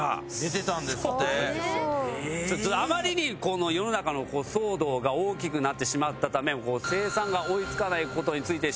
あまりにこの世の中の騒動が大きくなってしまったため生産が追い付かない事について。